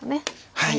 はい。